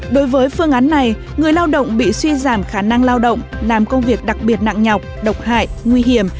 đối với phương án này người lao động bị suy giảm khả năng lao động làm công việc đặc biệt nặng nhọc độc hại nguy hiểm